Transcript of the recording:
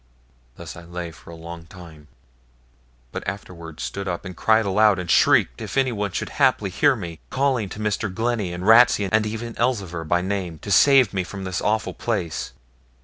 Thus I lay for a long time, but afterwards stood up and cried aloud, and shrieked if anyone should haply hear me, calling to Mr. Glennie and Ratsey, and even Elzevir, by name, to save me from this awful place.